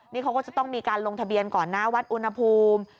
นี่เขาก็จะต้องมีการลงทะเบียนก่อนนะวัดอุณหภูมิ